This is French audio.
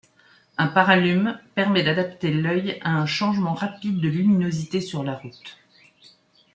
Un paralume permet d'adapter l’œil à un changement rapide de luminosité sur la route.